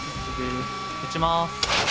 うちます。